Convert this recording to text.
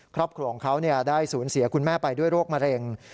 ครอบครัวของเขาได้สูญเสียคุณแม่ไปด้วยโรคมะเร็ง